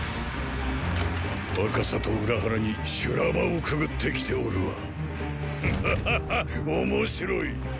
若さと裏腹に修羅場をくぐってきておるわフハハハ面白い！